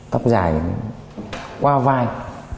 tóc dài qua vai